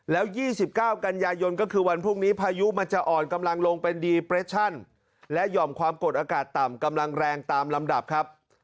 แล้ว๒๙กันยายนก็คือวันพรุ่งนี้พายุมันจะอ่อนกำลังลงเป็นดีเปรชั่นและหย่อมความกดอากาศต่ำกำลังแรงตามลำดับครับ